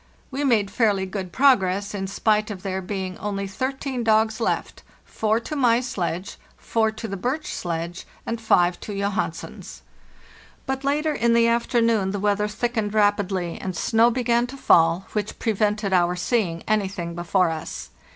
We made fairly good progress, in spite of there being only 13 dogs left —4 to my sledge, 4 to the birch sledge, and 5 to Johansen's. but later in the afternoon the weather thickened rapidly 204 FARTHEST NORTH and snow began to fall, which prevented our seeing anything before us.